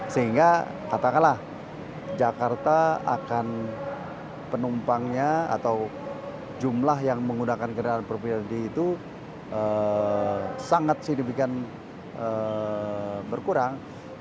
sehingga katakanlah jakarta akan penumpangnya atau jumlah yang menggunakan kereta perpilinan di itu sangat sedikit berkurang